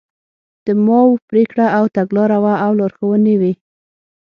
د ماوو پرېکړه او تګلاره وه او لارښوونې وې.